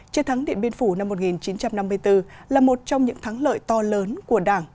chiến thắng điện biên phủ năm một nghìn chín trăm năm mươi bốn là một trong những thắng lợi to lớn của đảng